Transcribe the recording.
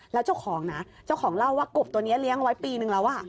แล้วเจ้าของนะเจ้าของเล่าว่ากบตัวนี้เลี้ยงไว้ปีนึงแล้ว